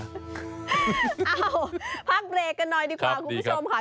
เอ้าพักเบรกกันหน่อยดีกว่าคุณผู้ชมค่ะ